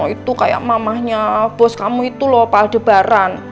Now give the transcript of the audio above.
itu kayak mamahnya bos kamu itu lho pak adebaran